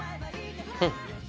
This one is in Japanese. うん。